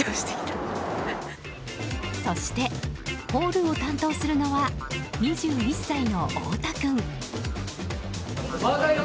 そしてホールを担当するのは２１歳の太田君。